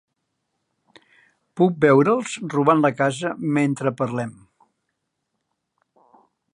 Puc veure'ls robant la casa mentre parlem!